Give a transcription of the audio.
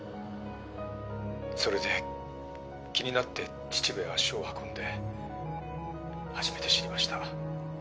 「それで気になって秩父へ足を運んで初めて知りました」